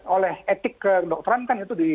oleh etik kedokteran kan itu